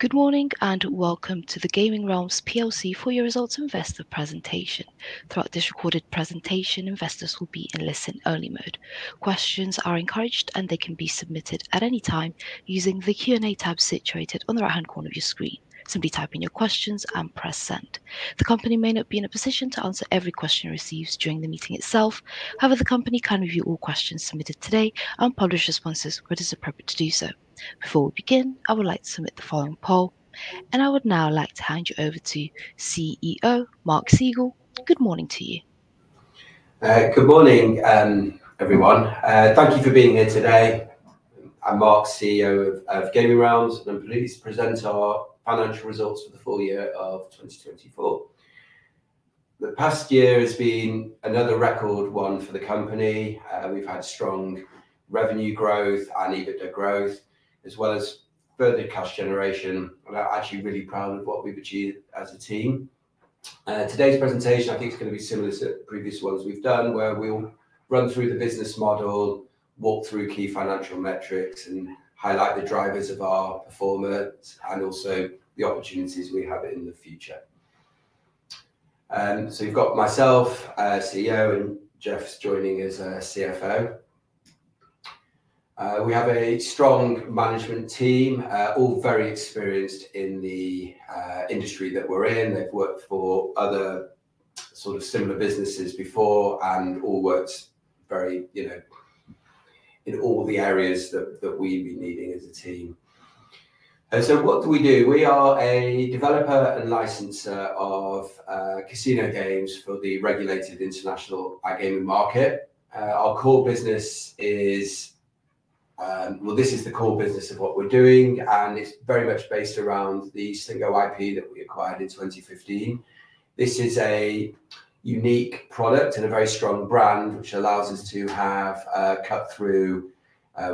Good morning and welcome to the Gaming Realms Full Year Results Investor presentation. Throughout this recorded presentation, investors will be in listen-only mode. Questions are encouraged, and they can be submitted at any time using the Q&A tab situated on the right-hand corner of your screen. Simply type in your questions and press send. The company may not be in a position to answer every question received during the meeting itself. However, the company can review all questions submitted today and publish responses where it is appropriate to do so. Before we begin, I would like to submit the following poll, and I would now like to hand you over to CEO Mark Segal. Good morning to you. Good morning, everyone. Thank you for being here today. I'm Mark, CEO of Gaming Realms, and I'm pleased to present our financial results for the full year of 2024. The past year has been another record one for the company. We've had strong revenue growth and EBITDA growth, as well as further cash generation. We're actually really proud of what we've achieved as a team. Today's presentation, I think, is going to be similar to previous ones we've done, where we'll run through the business model, walk through key financial metrics, and highlight the drivers of our performance and also the opportunities we have in the future. You have myself, CEO, and Geoff joining as CFO. We have a strong management team, all very experienced in the industry that we're in. They've worked for other sort of similar businesses before and all worked very, you know, in all the areas that we've been needing as a team. What do we do? We are a developer and licensor of casino games for the regulated international gaming market. Our core business is, this is the core business of what we're doing, and it's very much based around the Slingo IP that we acquired in 2015. This is a unique product and a very strong brand, which allows us to have a cut-through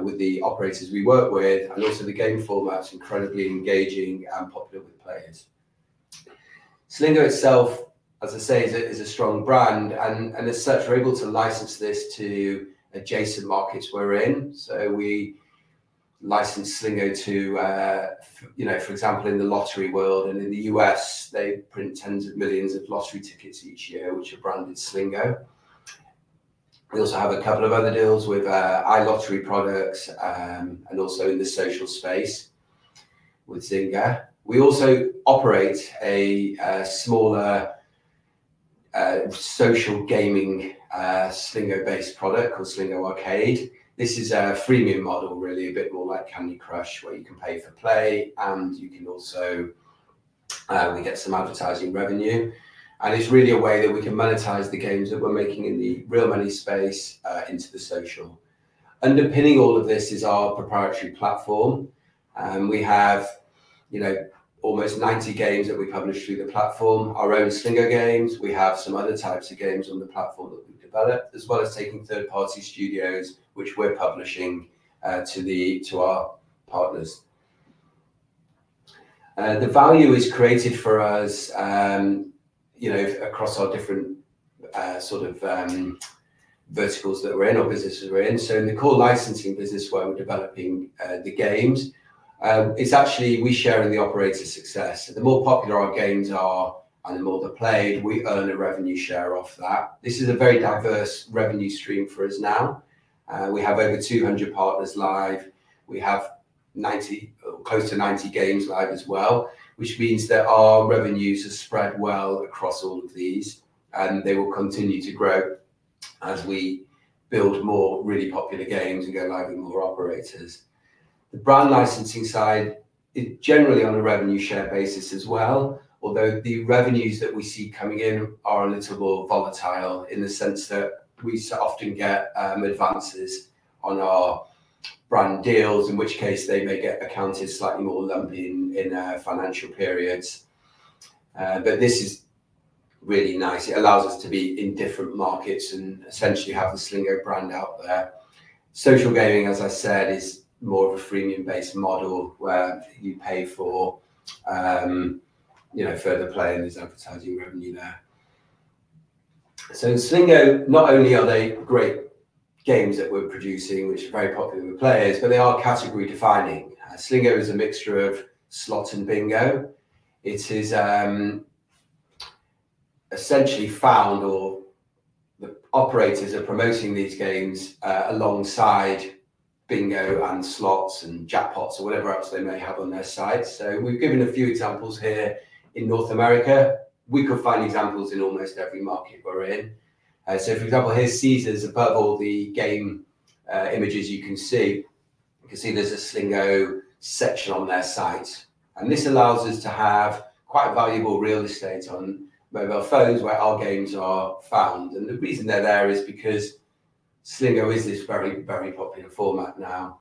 with the operators we work with and also the game formats. Incredibly engaging and popular with players. Slingo itself, as I say, is a strong brand, and as such, we're able to license this to adjacent markets we're in. We license Slingo to, you know, for example, in the lottery world and in the U.S., they print tens of millions of lottery tickets each year, which are branded Slingo. We also have a couple of other deals with iLottery products and also in the social space with Zynga. We also operate a smaller social gaming Slingo-based product called Slingo Arcade. This is a freemium model, really a bit more like Candy Crush, where you can pay for play and you can also, we get some advertising revenue. It is really a way that we can monetize the games that we're making in the real money space into the social. Underpinning all of this is our proprietary platform. We have, you know, almost 90 games that we publish through the platform, our own Slingo games. We have some other types of games on the platform that we've developed, as well as taking third-party studios, which we're publishing to our partners. The value is created for us, you know, across our different sort of verticals that we're in, our businesses we're in. In the core licensing business where we're developing the games, it's actually we share in the operator success. The more popular our games are and the more they're played, we earn a revenue share off that. This is a very diverse revenue stream for us now. We have over 200 partners live. We have close to 90 games live as well, which means that our revenues are spread well across all of these, and they will continue to grow as we build more really popular games and go live with more operators. The brand licensing side is generally on a revenue share basis as well, although the revenues that we see coming in are a little more volatile in the sense that we often get advances on our brand deals, in which case they may get accounted slightly more lumpy in financial periods. This is really nice. It allows us to be in different markets and essentially have the Slingo brand out there. Social gaming, as I said, is more of a freemium-based model where you pay for, you know, further play and there's advertising revenue there. Slingo, not only are they great games that we're producing, which are very popular with players, but they are category defining. Slingo is a mixture of slots and bingo. It is essentially found or the operators are promoting these games alongside bingo and slots and jackpots or whatever else they may have on their site. We have given a few examples here in North America. We could find examples in almost every market we are in. For example, here is Caesars. Above all the game images you can see, you can see there is a Slingo section on their site. This allows us to have quite valuable real estate on mobile phones where our games are found. The reason they are there is because Slingo is this very, very popular format now.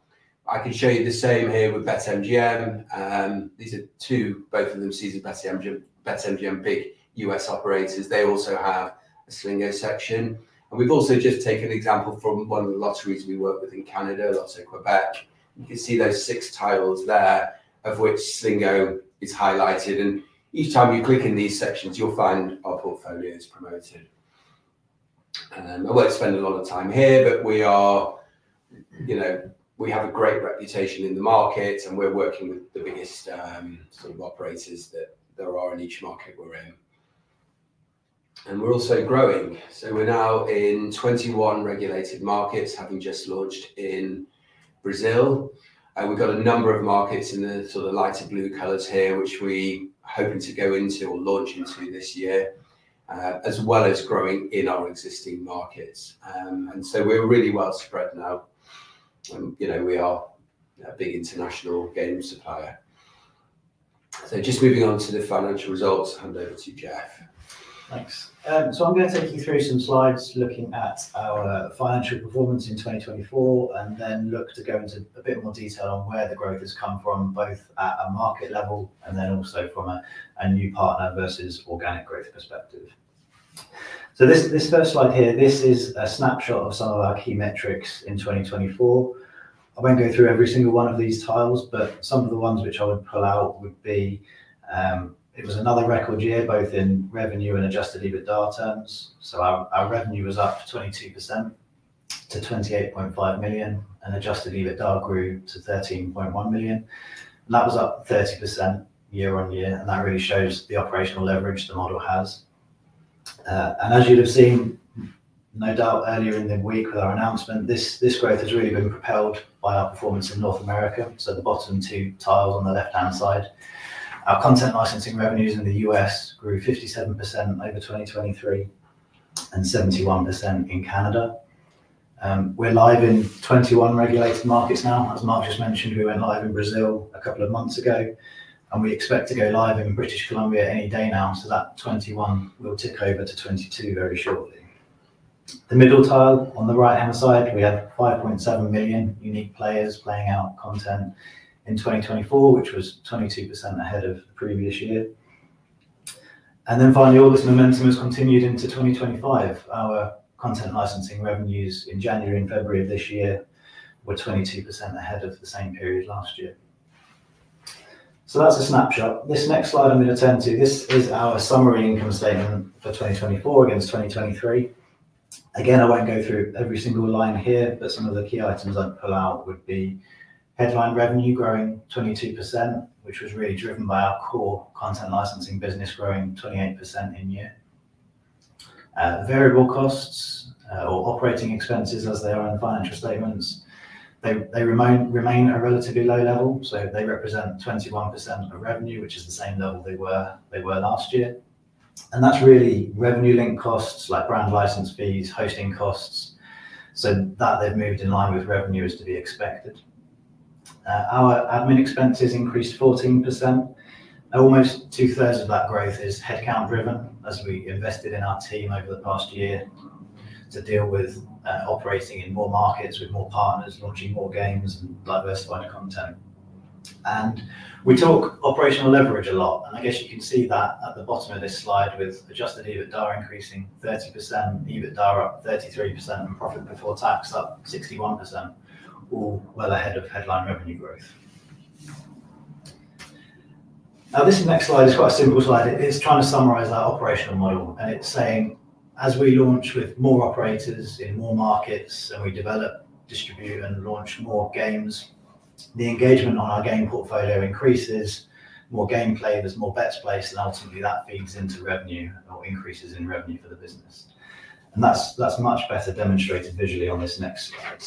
I can show you the same here with BetMGM. These are two, both of them Caesars and BetMGM, big US operators. They also have a Slingo section. We have also just taken an example from one of the lotteries we work with in Canada, Loto-Québec. You can see those six titles there, of which Slingo is highlighted. Each time you click in these sections, you'll find our portfolio is promoted. I won't spend a lot of time here, but we are, you know, we have a great reputation in the market and we're working with the biggest sort of operators that there are in each market we're in. We're also growing. We are now in 21 regulated markets, having just launched in Brazil. We've got a number of markets in the sort of lighter blue colors here, which we are hoping to go into or launch into this year, as well as growing in our existing markets. We are really well spread now. You know, we are a big international game supplier. Just moving on to the financial results, hand over to Geoff. Thanks. I'm going to take you through some slides looking at our financial performance in 2024 and then look to go into a bit more detail on where the growth has come from, both at a market level and also from a new partner versus organic growth perspective. This first slide here, this is a snapshot of some of our key metrics in 2024. I won't go through every single one of these tiles, but some of the ones which I would pull out would be, it was another record year, both in revenue and adjusted EBITDA terms. Our revenue was up 22% to 28.5 million, and adjusted EBITDA grew to 13.1 million. That was up 30% year-on-year. That really shows the operational leverage the model has. As you'll have seen, no doubt earlier in the week with our announcement, this growth has really been propelled by our performance in North America. The bottom two tiles on the left-hand side. Our content licensing revenues in the US grew 57% over 2023 and 71% in Canada. We're live in 21 regulated markets now. As Mark just mentioned, we went live in Brazil a couple of months ago, and we expect to go live in British Columbia any day now. That 21 will tick over to 22 very shortly. The middle tile on the right-hand side, we have 5.7 million unique players playing our content in 2024, which was 22% ahead of the previous year. Finally, all this momentum has continued into 2025. Our content licensing revenues in January and February of this year were 22% ahead of the same period last year. That's a snapshot. This next slide I'm going to turn to, this is our summary income statement for 2024 against 2023. Again, I won't go through every single line here, but some of the key items I'd pull out would be headline revenue growing 22%, which was really driven by our core content licensing business growing 28% in year. Variable costs or operating expenses, as they are in financial statements, they remain a relatively low level. They represent 21% of revenue, which is the same level they were last year. That's really revenue-linked costs like brand license fees, hosting costs. That they've moved in line with revenue is to be expected. Our admin expenses increased 14%. Almost two-thirds of that growth is headcount-driven, as we invested in our team over the past year to deal with operating in more markets with more partners, launching more games and diversified content. We talk operational leverage a lot. I guess you can see that at the bottom of this slide with adjusted EBITDA increasing 30%, EBITDA up 33%, and profit before tax up 61%, all well ahead of headline revenue growth. This next slide is quite a simple slide. It is trying to summarize our operational model. It is saying, as we launch with more operators in more markets and we develop, distribute, and launch more games, the engagement on our game portfolio increases, more game play, there are more bets placed, and ultimately that feeds into revenue or increases in revenue for the business. That is much better demonstrated visually on this next slide.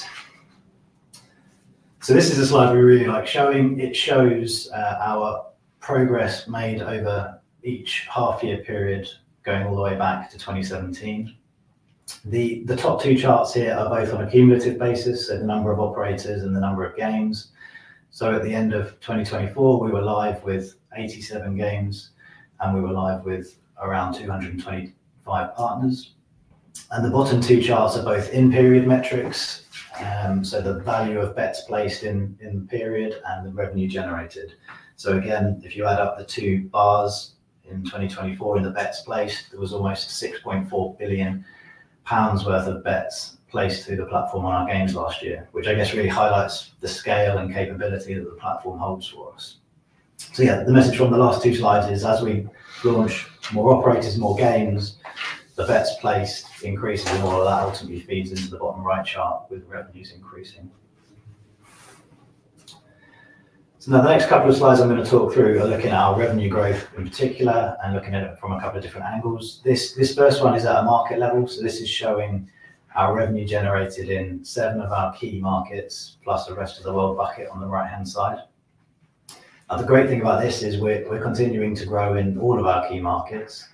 This is a slide we really like showing. It shows our progress made over each half-year period going all the way back to 2017. The top two charts here are both on a cumulative basis, so the number of operators and the number of games. At the end of 2024, we were live with 87 games, and we were live with around 225 partners. The bottom two charts are both in-period metrics, so the value of bets placed in the period and the revenue generated. Again, if you add up the two bars in 2024 in the bets placed, there was almost 6.4 billion pounds worth of bets placed through the platform on our games last year, which I guess really highlights the scale and capability that the platform holds for us. Yeah, the message from the last two slides is, as we launch more operators, more games, the bets placed increases, and all of that ultimately feeds into the bottom right chart with revenues increasing. Now the next couple of slides I'm going to talk through are looking at our revenue growth in particular and looking at it from a couple of different angles. This first one is at a market level. This is showing our revenue generated in seven of our key markets plus the rest of the world bucket on the right-hand side. The great thing about this is we're continuing to grow in all of our key markets.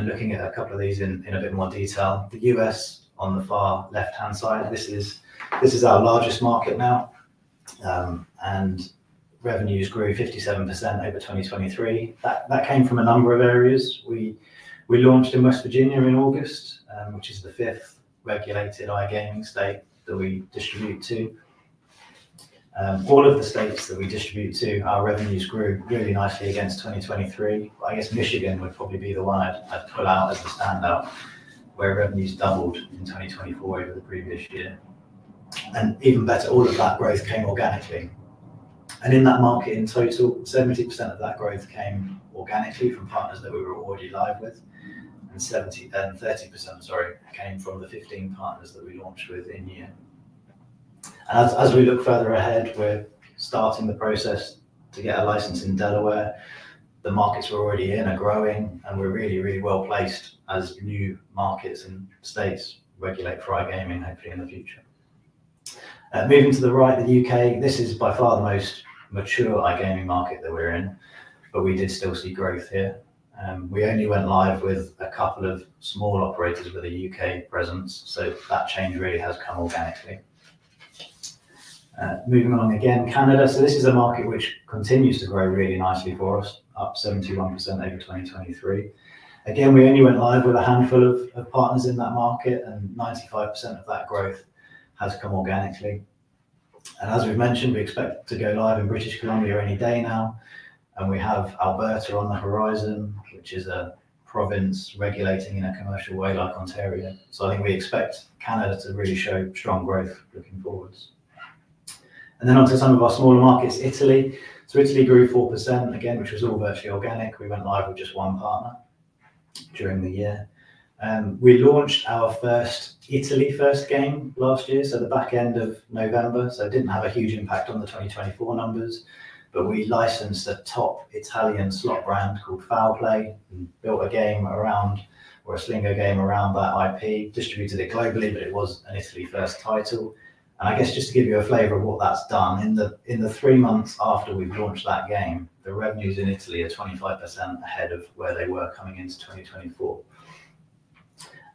Looking at a couple of these in a bit more detail, the US on the far left-hand side, this is our largest market now. Revenues grew 57% over 2023. That came from a number of areas. We launched in West Virginia in August, which is the fifth regulated iGaming state that we distribute to. All of the states that we distribute to, our revenues grew really nicely against 2023. I guess Michigan would probably be the one I'd pull out as a standout where revenues doubled in 2024 over the previous year. Even better, all of that growth came organically. In that market in total, 70% of that growth came organically from partners that we were already live with. 30%, sorry, came from the 15 partners that we launched with in year. As we look further ahead, we're starting the process to get a license in Delaware. The markets we're already in are growing, and we're really, really well placed as new markets and states regulate for iGaming hopefully in the future. Moving to the right, the U.K., this is by far the most mature iGaming market that we're in, but we did still see growth here. We only went live with a couple of small operators with a U.K. presence, so that change really has come organically. Moving along again, Canada. This is a market which continues to grow really nicely for us, up 71% over 2023. We only went live with a handful of partners in that market, and 95% of that growth has come organically. As we've mentioned, we expect to go live in British Columbia any day now. We have Alberta on the horizon, which is a province regulating in a commercial way like Ontario. I think we expect Canada to really show strong growth looking forwards. Then onto some of our smaller markets, Italy. Italy grew 4% again, which was all virtually organic. We went live with just one partner during the year. We launched our first Italy-first game last year, at the back end of November. It did not have a huge impact on the 2024 numbers, but we licensed a top Italian slot brand called Fowl Play and built a game around, or a Slingo game around that IP, distributed it globally, but it was an Italy-first title. I guess just to give you a flavor of what that has done, in the three months after we launched that game, the revenues in Italy are 25% ahead of where they were coming into 2024.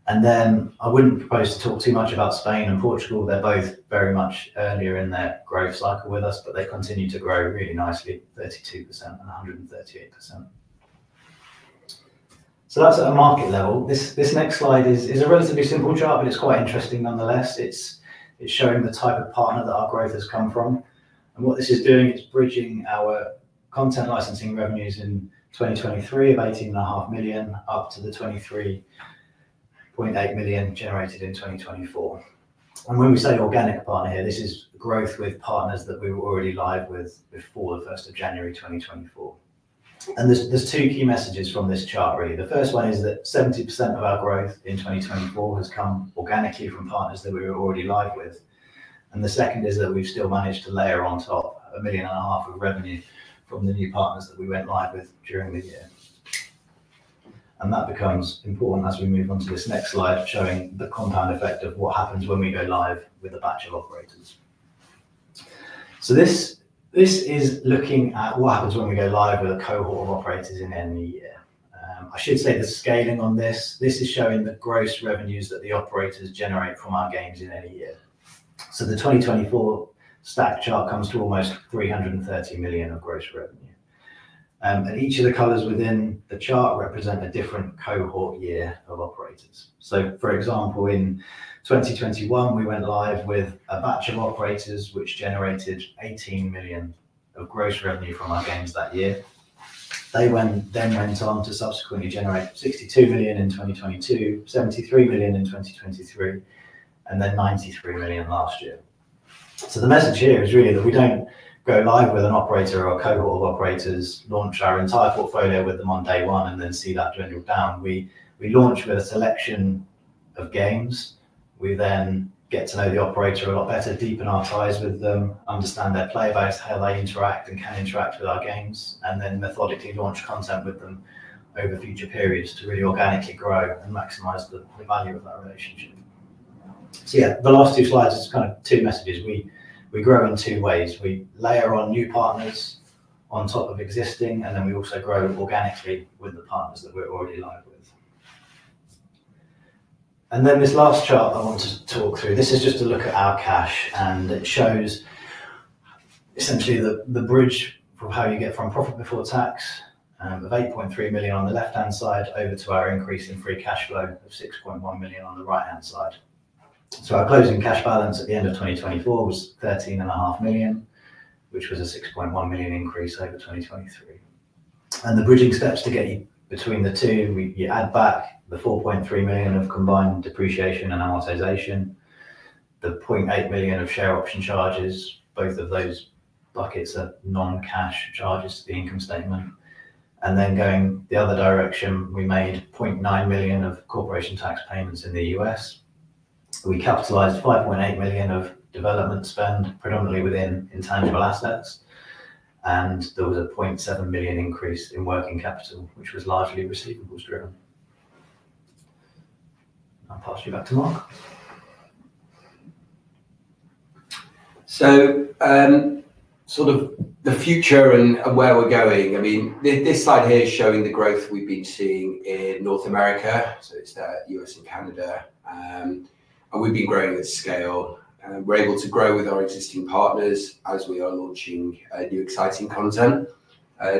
I would not propose to talk too much about Spain and Portugal. They are both very much earlier in their growth cycle with us, but they continue to grow really nicely, 32% and 138%. At a market level, this next slide is a relatively simple chart, but it's quite interesting nonetheless. It's showing the type of partner that our growth has come from. What this is doing, it's bridging our content licensing revenues in 2023 of 18.5 million up to the 23.8 million generated in 2024. When we say organic partner here, this is growth with partners that we were already live with before the 1st of January 2024. There are two key messages from this chart really. The first one is that 70% of our growth in 2024 has come organically from partners that we were already live with. The second is that we've still managed to layer on top 1.5 million of revenue from the new partners that we went live with during the year. That becomes important as we move on to this next slide, showing the compound effect of what happens when we go live with a batch of operators. This is looking at what happens when we go live with a cohort of operators in any year. I should say the scaling on this, this is showing the gross revenues that the operators generate from our games in any year. The 2024 stack chart comes to almost 330 million of gross revenue. Each of the colors within the chart represent a different cohort year of operators. For example, in 2021, we went live with a batch of operators which generated 18 million of gross revenue from our games that year. They then went on to subsequently generate 62 million in 2022, 73 million in 2023, and 93 million last year. The message here is really that we don't go live with an operator or a cohort of operators, launch our entire portfolio with them on day one, and then see that dwindle down. We launch with a selection of games. We then get to know the operator a lot better, deepen our ties with them, understand their play base, how they interact and can interact with our games, and then methodically launch content with them over future periods to really organically grow and maximize the value of that relationship. Yeah, the last two slides is kind of two messages. We grow in two ways. We layer on new partners on top of existing, and then we also grow organically with the partners that we're already live with. This last chart I want to talk through, this is just a look at our cash. It shows essentially the bridge from how you get from profit before tax of 8.3 million on the left-hand side over to our increase in free cash flow of 6.1 million on the right-hand side. Our closing cash balance at the end of 2024 was 13.5 million, which was a 6.1 million increase over 2023. The bridging steps to get you between the two, you add back the 4.3 million of combined depreciation and amortization, the 0.8 million of share option charges, both of those buckets are non-cash charges to the income statement. Going the other direction, we made 0.9 million of corporation tax payments in the US. We capitalized 5.8 million of development spend, predominantly within intangible assets. There was a 0.7 million increase in working capital, which was largely receivables driven. I'll pass you back to Mark. Sort of the future and where we're going. I mean, this slide here is showing the growth we've been seeing in North America. It's the U.S. and Canada. We've been growing at scale. We're able to grow with our existing partners as we are launching new exciting content.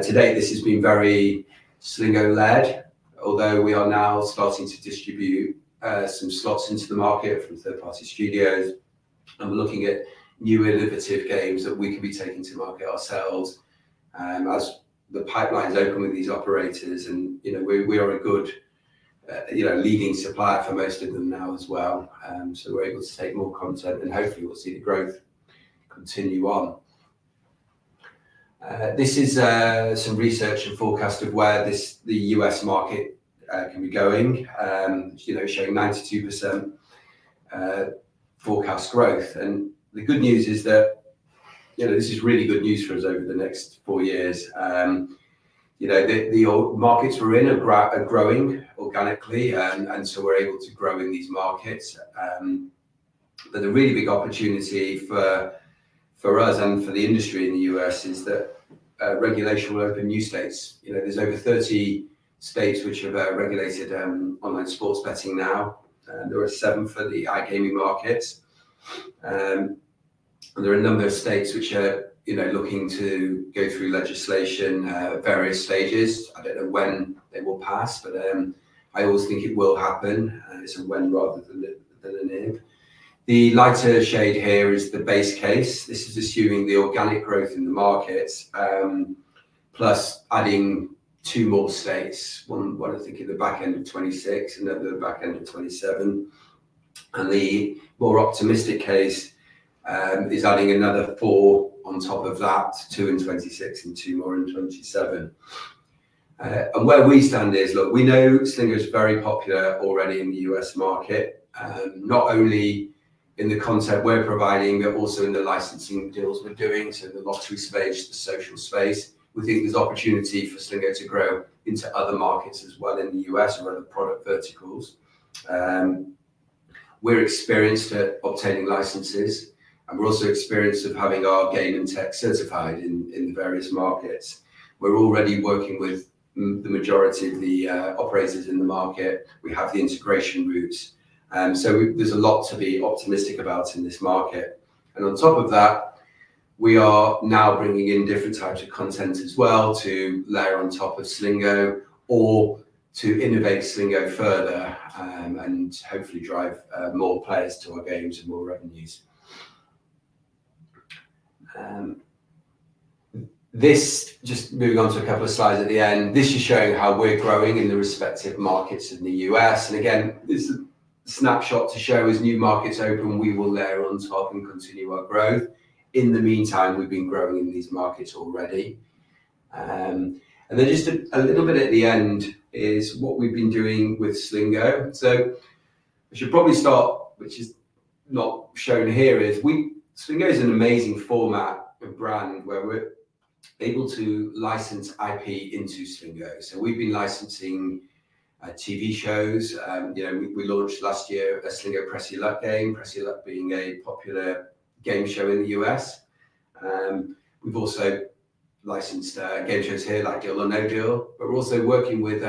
Today, this has been very Slingo-led, although we are now starting to distribute some slots into the market from third-party studios. We're looking at new innovative games that we can be taking to market ourselves as the pipelines open with these operators. We are a good leading supplier for most of them now as well. We're able to take more content, and hopefully we'll see the growth continue on. This is some research and forecast of where the U.S. market can be going, showing 92% forecast growth. The good news is that this is really good news for us over the next four years. The markets we're in are growing organically, and so we're able to grow in these markets. The really big opportunity for us and for the industry in the U.S. is that regulation will open new states. There are over 30 states which have regulated online sports betting now. There are seven for the iGaming markets. There are a number of states which are looking to go through legislation at various stages. I don't know when they will pass, but I always think it will happen. It's a when rather than an if. The lighter shade here is the base case. This is assuming the organic growth in the markets, plus adding two more states, one I think in the back end of 2026 and another back end of 2027. The more optimistic case is adding another four on top of that, two in 2026 and two more in 2027. Where we stand is, look, we know Slingo is very popular already in the U.S. market, not only in the content we're providing, but also in the licensing deals we're doing. The luxury space, the social space. We think there's opportunity for Slingo to grow into other markets as well in the U.S. or other product verticals. We're experienced at obtaining licenses, and we're also experienced at having our game and tech certified in the various markets. We're already working with the majority of the operators in the market. We have the integration routes. There's a lot to be optimistic about in this market. On top of that, we are now bringing in different types of content as well to layer on top of Slingo or to innovate Slingo further and hopefully drive more players to our games and more revenues. Moving on to a couple of slides at the end. This is showing how we're growing in the respective markets in the US. Again, this is a snapshot to show as new markets open, we will layer on top and continue our growth. In the meantime, we've been growing in these markets already. A little bit at the end is what we've been doing with Slingo. I should probably start, which is not shown here, Slingo is an amazing format and brand where we're able to license IP into Slingo. We've been licensing TV shows. We launched last year a Slingo Press Your Luck game, Press Your Luck being a popular game show in the US. We have also licensed game shows here like Deal or No Deal. We are also working with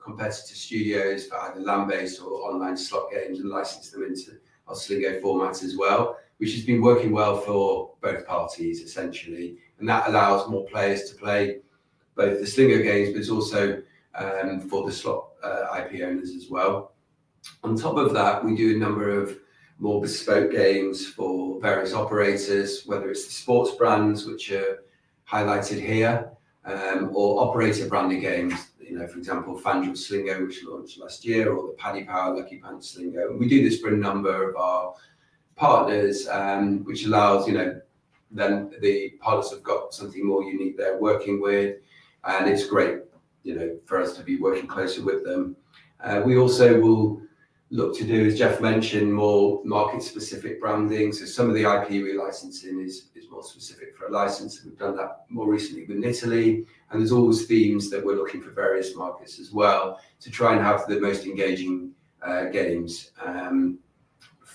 competitor studios for either land-based or online slot games and license them into our Slingo format as well, which has been working well for both parties, essentially. That allows more players to play both the Slingo games, but it is also for the slot IP owners as well. On top of that, we do a number of more bespoke games for various operators, whether it is the sports brands, which are highlighted here, or operator-branded games, for example, FanDuel Slingo, which launched last year, or the Paddy Power Lucky Pants Slingo. We do this for a number of our partners, which allows the partners to have got something more unique they are working with. It's great for us to be working closer with them. We also will look to do, as Geoff mentioned, more market-specific branding. Some of the IP we license in is more specific for a license. We've done that more recently with Italy. There are always themes that we're looking for in various markets as well to try and have the most engaging games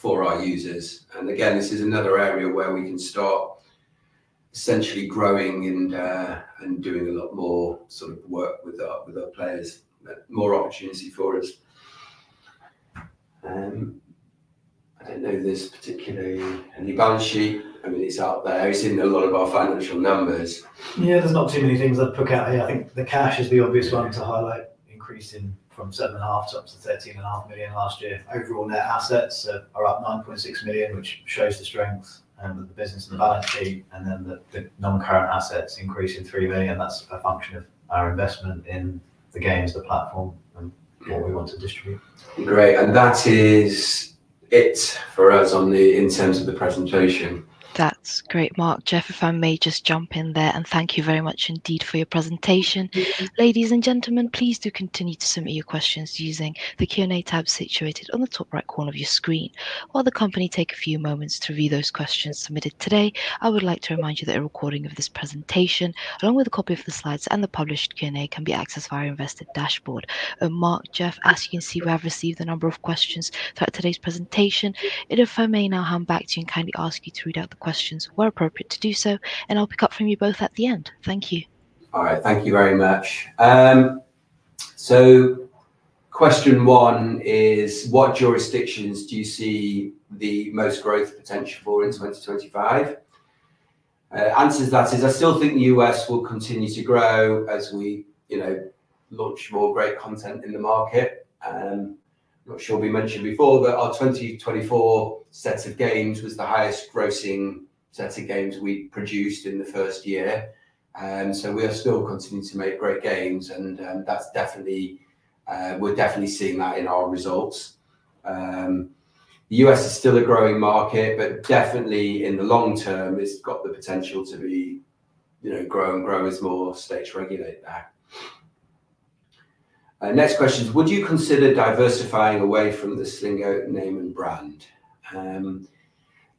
for our users. This is another area where we can start essentially growing and doing a lot more sort of work with our players, more opportunity for us. I don't know this particularly. The balance sheet, I mean, it's out there. It's in a lot of our financial numbers. There's not too many things I'd pick out here. I think the cash is the obvious one to highlight, increasing from 7.5 million to 13.5 million last year. Overall net assets are up 9.6 million, which shows the strength of the business and the balance sheet. The non-current assets increase in 3 million. That's a function of our investment in the games, the platform, and what we want to distribute. Great. That is it for us in terms of the presentation. That's great, Mark. Geoff, if I may just jump in there, and thank you very much indeed for your presentation. Ladies and gentlemen, please do continue to submit your questions using the Q&A tab situated on the top right corner of your screen. While the company takes a few moments to review those questions submitted today, I would like to remind you that a recording of this presentation, along with a copy of the slides and the published Q&A, can be accessed via our Investor dashboard. Mark, Geoff, as you can see, we have received a number of questions throughout today's presentation. If I may now hand back to you and kindly ask you to read out the questions where appropriate to do so, and I'll pick up from you both at the end. Thank you. All right. Thank you very much. Question one is, what jurisdictions do you see the most growth potential for in 2025? The answer to that is I still think the US will continue to grow as we launch more great content in the market. I'm not sure we mentioned before, but our 2024 set of games was the highest grossing set of games we produced in the first year. We are still continuing to make great games, and we're definitely seeing that in our results. The US is still a growing market, but definitely in the long term, it's got the potential to be growing as more states regulate that. Next question is, would you consider diversifying away from the Slingo name and brand?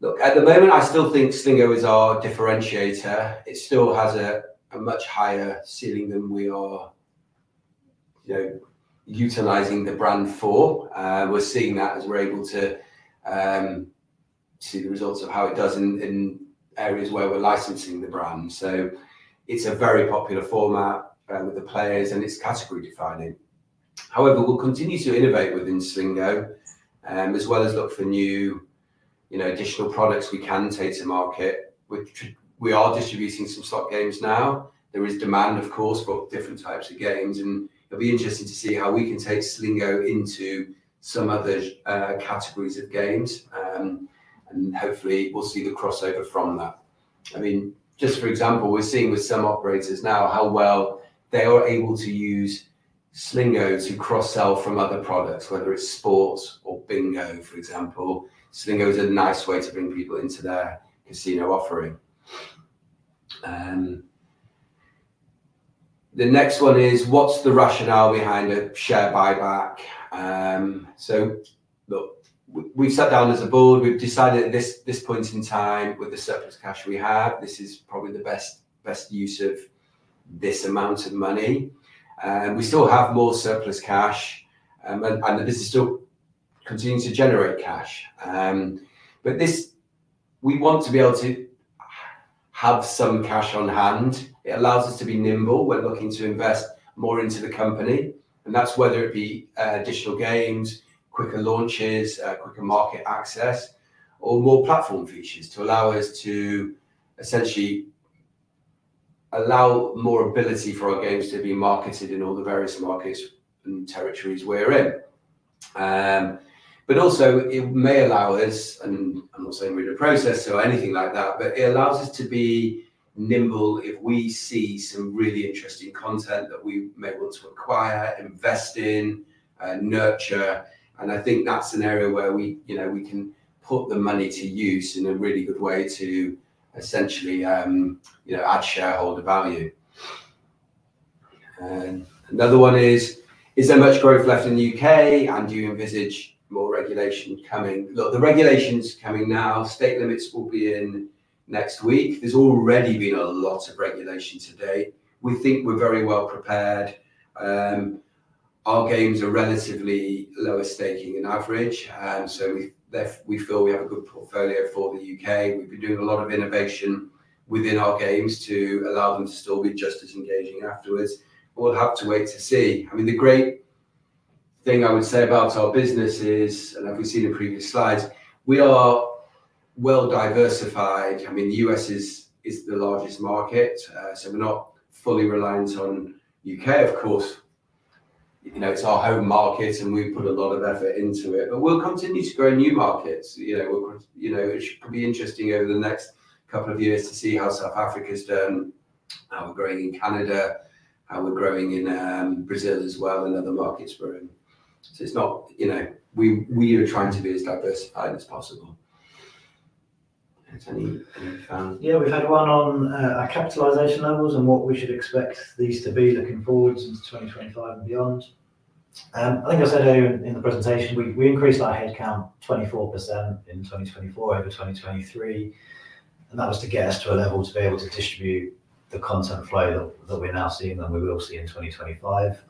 Look, at the moment, I still think Slingo is our differentiator. It still has a much higher ceiling than we are utilizing the brand for. We're seeing that as we're able to see the results of how it does in areas where we're licensing the brand. So it's a very popular format with the players, and it's category defining. However, we'll continue to innovate within Slingo, as well as look for new additional products we can take to market. We are distributing some slot games now. There is demand, of course, for different types of games. It will be interesting to see how we can take Slingo into some other categories of games. Hopefully, we'll see the crossover from that. I mean, just for example, we're seeing with some operators now how well they are able to use Slingo to cross-sell from other products, whether it's sports or bingo, for example. Slingo is a nice way to bring people into their casino offering. The next one is, what's the rationale behind a share buyback? Look, we've sat down as a board. We've decided at this point in time, with the surplus cash we have, this is probably the best use of this amount of money. We still have more surplus cash, and the business still continues to generate cash. We want to be able to have some cash on hand. It allows us to be nimble. We're looking to invest more into the company. That's whether it be additional games, quicker launches, quicker market access, or more platform features to allow us to essentially allow more ability for our games to be marketed in all the various markets and territories we're in. It may also allow us, and I'm not saying we're in the process or anything like that, but it allows us to be nimble if we see some really interesting content that we may want to acquire, invest in, nurture. I think that's an area where we can put the money to use in a really good way to essentially add shareholder value. Another one is, is there much growth left in the U.K., and do you envisage more regulation coming? Look, the regulation's coming now. stake limits will be in next week. There's already been a lot of regulation today. We think we're very well prepared. Our games are relatively lower staking in average. So we feel we have a good portfolio for the U.K. We've been doing a lot of innovation within our games to allow them to still be just as engaging afterwards. We'll have to wait to see. I mean, the great thing I would say about our business is, and I've seen in previous slides, we are well diversified. I mean, the U.S. is the largest market. So we're not fully reliant on the U.K., of course. It's our home market, and we've put a lot of effort into it. We'll continue to grow new markets. It could be interesting over the next couple of years to see how South Africa's done, how we're growing in Canada, how we're growing in Brazil as well, and other markets we're in. We are trying to be as diversified as possible. Anything else? Yeah, we've had one on our capitalization levels and what we should expect these to be looking forwards into 2025 and beyond. I think I said earlier in the presentation, we increased our headcount 24% in 2024 over 2023. That was to get us to a level to be able to distribute the content flow that we're now seeing that we will see in 2025.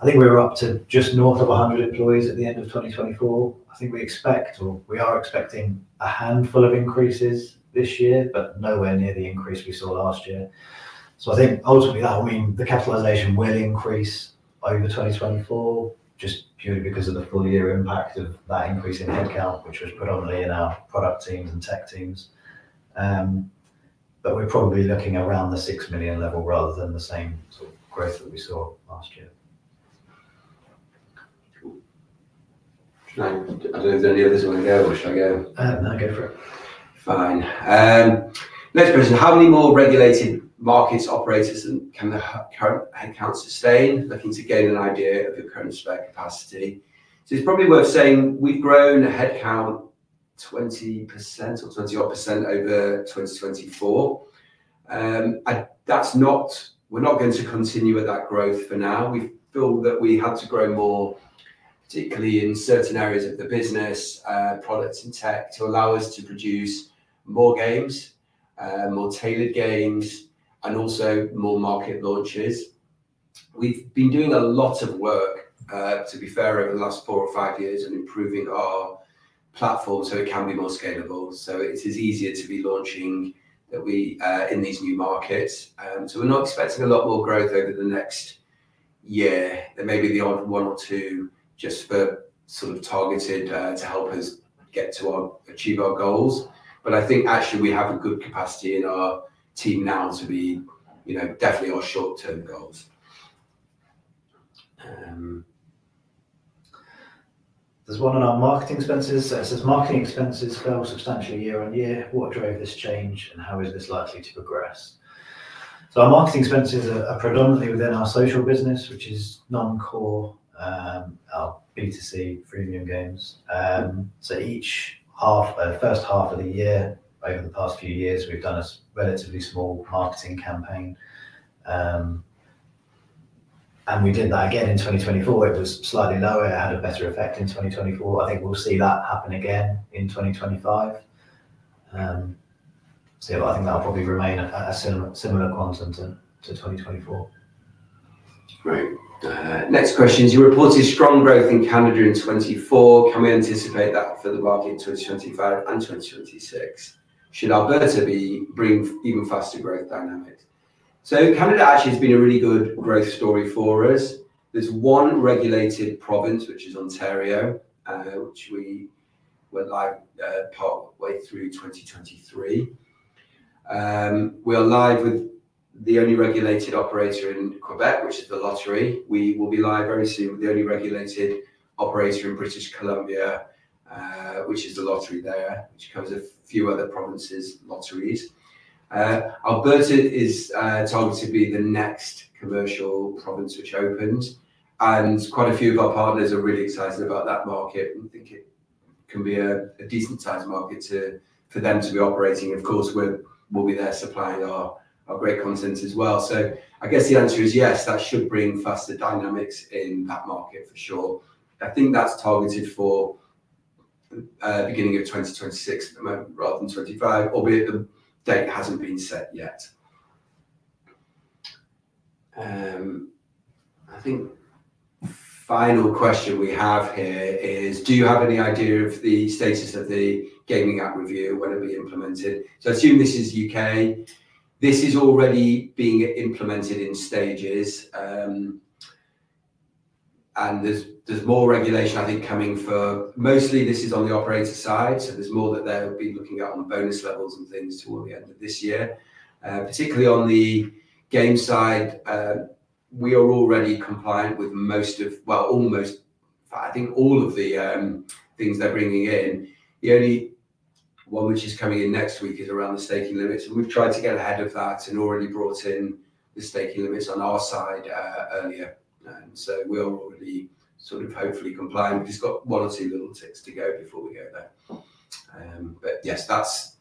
I think we were up to just north of 100 employees at the end of 2024. I think we expect, or we are expecting, a handful of increases this year, but nowhere near the increase we saw last year. I think ultimately that will mean the capitalization will increase over 2024, just purely because of the full-year impact of that increase in headcount, which was predominantly in our product teams and tech teams. We are probably looking around the 6 million level rather than the same sort of growth that we saw last year. I do not know if there are any others you want to go, or should I go? No, go for it. Fine. Next question. How many more regulated markets operators can the current headcount sustain? Looking to gain an idea of your current spare capacity. It is probably worth saying we have grown headcount 20% or 20-odd % over 2024. We are not going to continue with that growth for now. We feel that we had to grow more, particularly in certain areas of the business, products, and tech to allow us to produce more games, more tailored games, and also more market launches. We've been doing a lot of work, to be fair, over the last four or five years and improving our platform so it can be more scalable. It is easier to be launching in these new markets. We're not expecting a lot more growth over the next year. There may be the odd one or two just for sort of targeted to help us achieve our goals. I think actually we have a good capacity in our team now to be definitely our short-term goals. There's one on our marketing expenses. It says, "Marketing expenses fell substantially year on year. What drove this change, and how is this likely to progress? Our marketing expenses are predominantly within our social business, which is non-core, our B2C premium games. Each half, first half of the year, over the past few years, we've done a relatively small marketing campaign. We did that again in 2024. It was slightly lower. It had a better effect in 2024. I think we'll see that happen again in 2025. I think that'll probably remain a similar quantum to 2024. Great. Next question is, "You reported strong growth in Canada in 2024. Can we anticipate that for the market in 2025 and 2026? Should Alberta bring even faster growth dynamic?" Canada actually has been a really good growth story for us. There's one regulated province, which is Ontario, which we were live partway through 2023. We are live with the only regulated operator in Quebec, which is the lottery. We will be live very soon with the only regulated operator in British Columbia, which is the lottery there, which covers a few other provinces' lotteries. Alberta is targeted to be the next commercial province which opens. Quite a few of our partners are really excited about that market. We think it can be a decent-sized market for them to be operating. Of course, we will be there supplying our great content as well. I guess the answer is yes, that should bring faster dynamics in that market for sure. I think that is targeted for the beginning of 2026 rather than 2025, albeit the date has not been set yet. I think final question we have here is, "Do you have any idea of the status of the Gambling Act review when it'll be implemented?" I assume this is U.K. This is already being implemented in stages. There is more regulation, I think, coming for mostly this is on the operator side. There is more that they'll be looking at on bonus levels and things toward the end of this year. Particularly on the game side, we are already compliant with most of, well, almost, I think all of the things they're bringing in. The only one which is coming in next week is around the staking limits. We have tried to get ahead of that and already brought in the staking limits on our side earlier. We are already sort of hopefully compliant. We have just got one or two little ticks to go before we go there. Yes, that's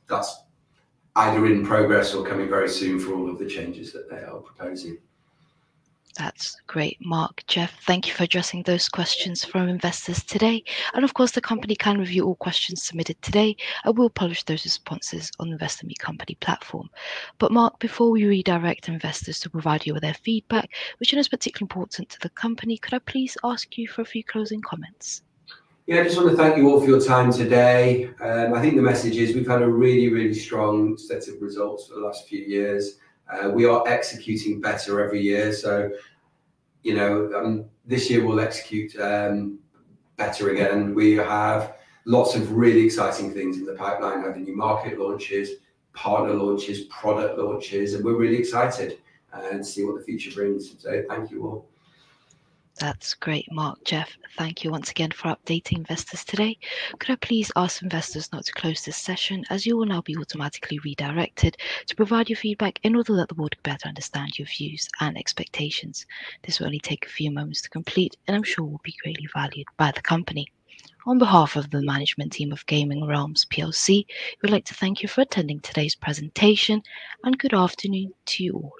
either in progress or coming very soon for all of the changes that they are proposing. That's great. Mark, Geoff, thank you for addressing those questions from investors today. Of course, the company can review all questions submitted today. We will publish those responses on the Investor Meet Company platform. Mark, before we redirect investors to provide you with their feedback, which is particularly important to the company, could I please ask you for a few closing comments? Yeah, I just want to thank you all for your time today. I think the message is we've had a really, really strong set of results for the last few years. We are executing better every year. This year we will execute better again. We have lots of really exciting things in the pipeline, having new market launches, partner launches, product launches. We're really excited to see what the future brings. Thank you all. That's great. Mark, Geoff, thank you once again for updating investors today. Could I please ask investors not to close this session, as you will now be automatically redirected to provide your feedback in order that the board can better understand your views and expectations? This will only take a few moments to complete, and I'm sure will be greatly valued by the company. On behalf of the Management Team of Gaming Realms, we'd like to thank you for attending today's presentation. Good afternoon to you all.